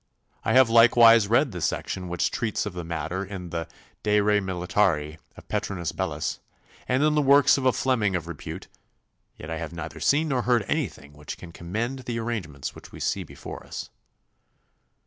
I have likewise read the section which treats of the matter in the "De re militari" of Petrinus Bellus, and in the works of a Fleming of repute, yet I have neither seen nor heard anything which can commend the arrangements which we see before us.